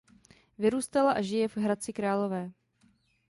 Vyrůstala a žije v Hradci Králové.